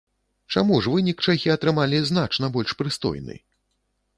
Чаму ж вынік чэхі атрымалі значна больш прыстойны?